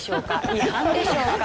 違反でしょうか？